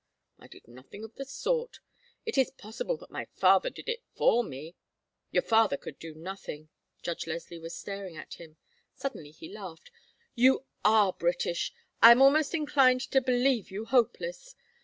"I did nothing of the sort. It is possible that my father did it for me " "Your father could do nothing." Judge Leslie was staring at him. Suddenly he laughed. "You are British! I am almost inclined to believe you hopeless.